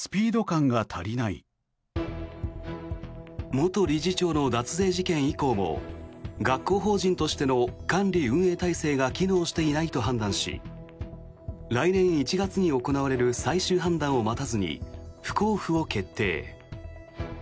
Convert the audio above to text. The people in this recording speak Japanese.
元理事長の脱税事件以降も学校法人としての管理運営体制が機能していないと判断し来年１月に行われる最終判断を待たずに不交付を決定。